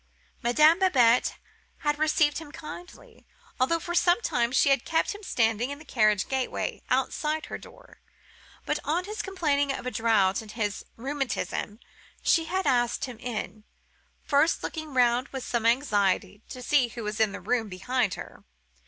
Madame Babette had received him kindly; although, for some time, she had kept him standing in the carriage gateway outside her door. But, on his complaining of the draught and his rheumatism, she had asked him in: first looking round with some anxiety, to see who was in the room behind her.